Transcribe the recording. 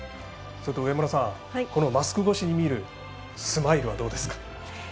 上村さんマスク越しに見るスマイルはどうですか？